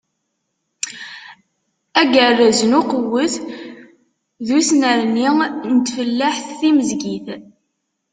Agerrez n uqewwet d usnerni n tfellaḥt timezgit.